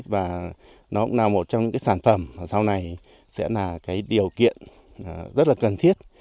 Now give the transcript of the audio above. và nó cũng là một trong những sản phẩm sau này sẽ là điều kiện rất cần thiết